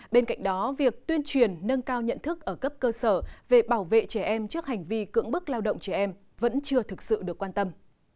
bên cạnh đó việc tuyên truyền nâng cao nhận thức ở cấp cơ sở về bảo vệ trẻ em trước hành vi cưỡng bức lao động trẻ em vẫn chưa thực sự được quan tâm